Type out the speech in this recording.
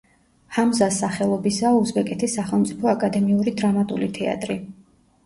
ჰამზას სახელობისაა უზბეკეთის სახელმწიფო აკადემიური დრამატული თეატრი.